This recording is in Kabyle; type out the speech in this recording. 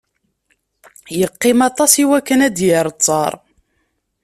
Yeqqim aṭas iwakken ad d-yerr ttar.